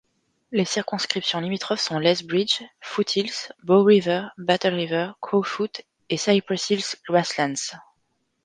Les circonscriptions limitrophes sont Lethbridge, Foothills, Bow River, Battle River—Crowfoot et Cypress Hills—Grasslands.